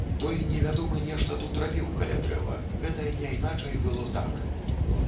Той невядомы нешта тут рабіў каля дрэва, гэта няйначай было так.